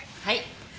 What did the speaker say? はい。